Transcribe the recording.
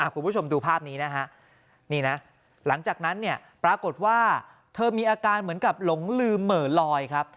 คุณผู้ชมดูภาพนี้นะฮะนี่นะหลังจากนั้นเนี่ยปรากฏว่าเธอมีอาการเหมือนกับหลงลืมเหม่อลอยครับ